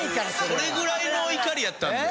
それぐらいの怒りやったんで。